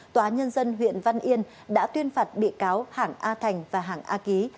tòa nhân dân huyện văn yên đã tuyên phạt bị cáo hảng a thành và hảng a ký